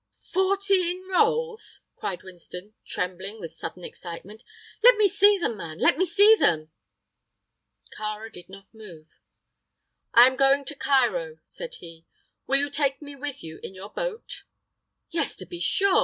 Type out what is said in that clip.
"Fourteen rolls?" cried Winston, trembling with sudden excitement. "Let me see them, man let me see them!" Kāra did not move. "I am going to Cairo," said he. "Will you take me with you in your boat?" "Yes; to be sure.